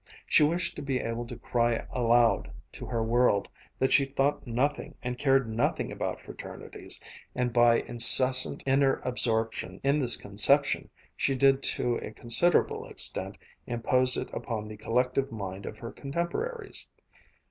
She wished to be able to cry aloud to her world that she thought nothing and cared nothing about fraternities, and by incessant inner absorption in this conception she did to a considerable extent impose it upon the collective mind of her contemporaries.